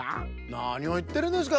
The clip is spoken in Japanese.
なにをいってるんですか？